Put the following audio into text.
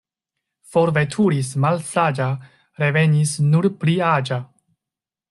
Forveturis malsaĝa, revenis nur pli aĝa.